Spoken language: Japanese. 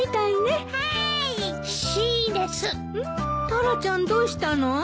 タラちゃんどうしたの？